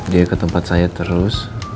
dia ke tempat saya terus